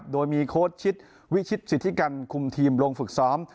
โดยมีโค้ชชิดวิชิตสิทธิกันคุมทีมลงฝึกซ้อม